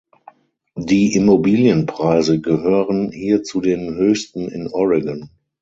Die Immobilienpreise gehören hier zu den höchsten in Oregon.